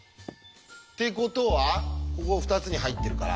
ってことはここ２つに入ってるから。